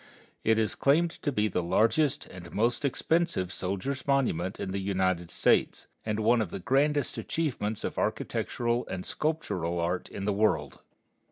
It is claimed to be the largest and most expensive soldiers' monument in the United States, and one of the grandest achievements of architectural and sculptural art in the world.